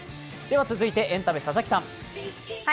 続いてエンタメ佐々木さん。